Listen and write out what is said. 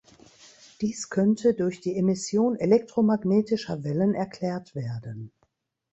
Dies könnte durch die Emission elektromagnetischer Wellen erklärt werden.